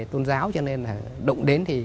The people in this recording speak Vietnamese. tôn giáo cho nên là động đến thì